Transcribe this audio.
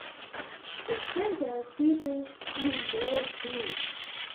The center features two indoor pools.